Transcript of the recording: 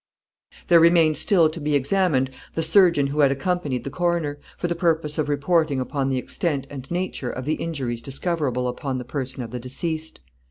There remained still to be examined the surgeon who had accompanied the coroner, for the purpose of reporting upon the extent and nature of the injuries discoverable upon the person of the deceased.